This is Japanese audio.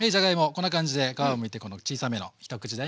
こんな感じで皮をむいて小さめの一口大に切って下さい。